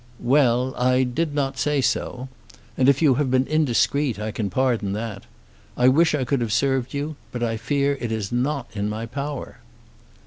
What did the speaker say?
"Well; I did not say so. And if you have been indiscreet I can pardon that. I wish I could have served you; but I fear that it is not in my power."